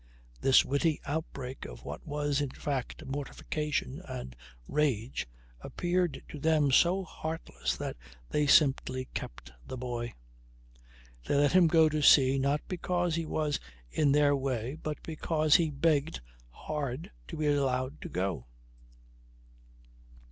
This witty outbreak of what was in fact mortification and rage appeared to them so heartless that they simply kept the boy. They let him go to sea not because he was in their way but because he begged hard to be allowed to go.